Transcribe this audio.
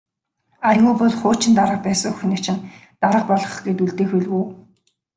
Аягүй бол хуучин дарга байсан хүнийг чинь дарга болгох гээд үлдээх байлгүй.